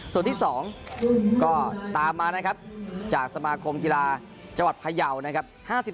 ส่วนที่๒ก็ตามมานะครับจากสมาคมกีฬาจังหวัดพยาวนะครับ